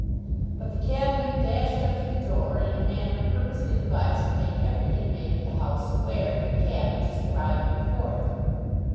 But the cabman dashed up to the door in a manner purposely devised to make every inmate of the house aware that a cab had just arrived before it.